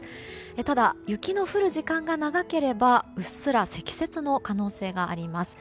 ただ、雪の降る時間が長ければうっすら積雪の可能性があります。